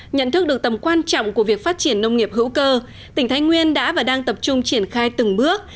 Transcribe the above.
nhận thức được tầm quan trọng của việc phát triển nông nghiệp hữu cơ tỉnh thái nguyên đã và đang tập trung triển khai từng bước